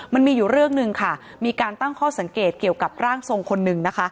มันมีอยู่เรื่องหนึ่งค่ะมีการตั้งข้อสังเกตเกี่ยวกับร่างทรงคนหนึ่งนะคะ